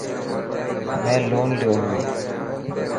مين لون ليو هاڻ.